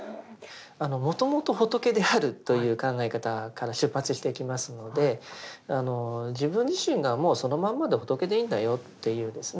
「もともと仏である」という考え方から出発していきますので自分自身がもうそのまんまで仏でいいんだよっていうですね